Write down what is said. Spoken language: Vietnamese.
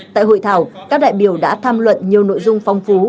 tại hội thảo các đại biểu đã tham luận nhiều nội dung phong phú